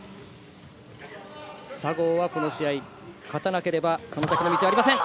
佐合はこの試合、勝たなければその先の道はありません。